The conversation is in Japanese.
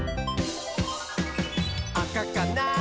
「あかかな？